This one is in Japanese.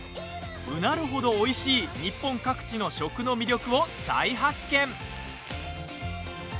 うなる程おいしい日本各地の食の魅力を再発見。